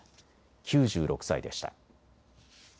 ９６歳でした。